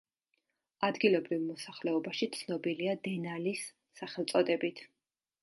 ადგილობრივ მოსახლეობაში ცნობილია დენალის სახელწოდებით.